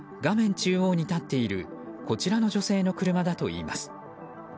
中央に立っているこちらの女性の車だといいます。